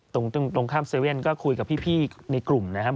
ตรงข้ามเซเว่นก็คุยกับพี่ในกลุ่มนะครับ